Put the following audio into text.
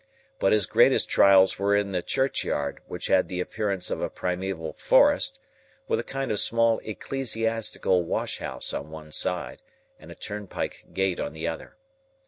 But his greatest trials were in the churchyard, which had the appearance of a primeval forest, with a kind of small ecclesiastical wash house on one side, and a turnpike gate on the other.